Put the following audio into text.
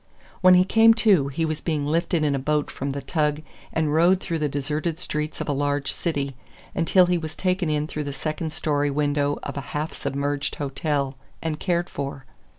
When he came to he was being lifted in a boat from the tug and rowed through the deserted streets of a large city, until he was taken in through the second story window of a half submerged hotel and cared for.